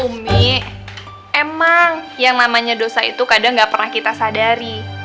umi emang yang namanya dosa itu kadang gak pernah kita sadari